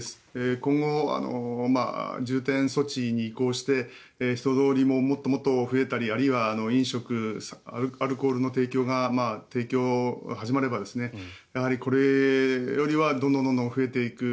今後、重点措置に移行して人通りももっともっと増えたりあるいは飲食、アルコールの提供が始まればやはり、これよりはどんどん増えていく。